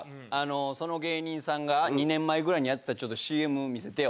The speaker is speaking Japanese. その芸人さんが２年前ぐらいにやってたＣＭ見せてよ